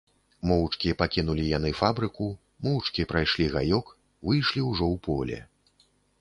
Моўчкі пакінулі яны фабрыку, моўчкі прайшлі гаёк, выйшлі ўжо ў поле.